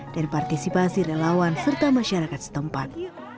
dan partisipasi relawan serta masyarakat setempat